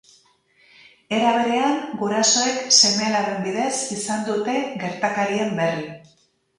Era berean, gurasoek seme-alaben bidez izan dute gertakarien berri.